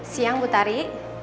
siang bu tari